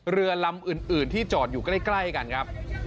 เรือลำอื่นที่จอดอยู่ใกล้กันครับ